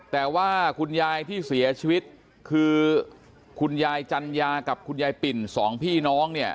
แต่ว่าคุณยายที่เสียชีวิตคือคุณยายจัญญากับคุณยายปิ่นสองพี่น้องเนี่ย